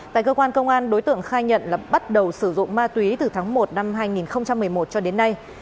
tại cơ quan công an đối tượng khai nhận là bắt đầu sử dụng ma túy từ tháng một năm hai nghìn một mươi một cho đến nay